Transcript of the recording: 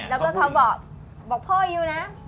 แล้วก็เขาบอกพ่ออยู่นะ